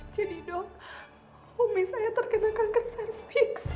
jadi dok ummi saya terkena kanker serviks